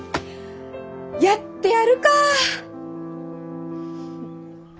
やってやるか！